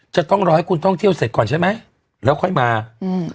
จะต้องรอให้คุณท่องเที่ยวเสร็จก่อนใช่ไหมแล้วค่อยมาอืม